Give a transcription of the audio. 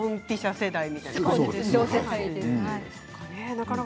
世代みたいな感じですね。